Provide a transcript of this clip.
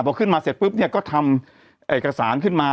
พอขึ้นมาเสร็จปุ๊บเนี่ยก็ทำเอกสารขึ้นมา